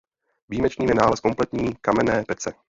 Výjimečným je nález kompletní kamenné pece.